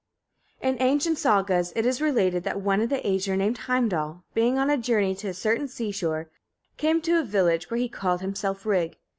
In ancient Sagas it is related that one of the Æsir named Heimdall, being on a journey to a certain sea shore, came to a village, where he called himself Rig.